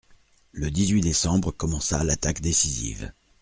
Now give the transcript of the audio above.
Le dix-huit décembre commença l'attaque décisive.